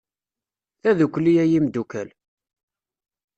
Tadukli, ay imdukal!